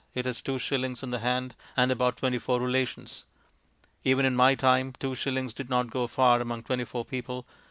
It has two shillings in the hand and about twenty four relations. Even in my time two shillings did not go far among twenty four people.